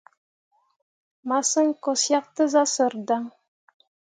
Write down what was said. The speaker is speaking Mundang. Massǝŋ ko syak tǝ zah sǝrri dan.